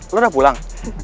lo udah pulang